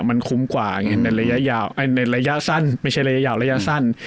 มันคุ้มกว่ามันในระยะสั้น